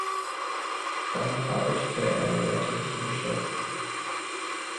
Danach arbeitete er im elterlichen Geschäft.